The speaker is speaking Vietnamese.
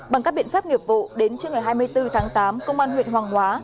bằng các biện pháp nghiệp vụ đến trưa ngày hai mươi bốn tháng tám công an huyện hoàng hóa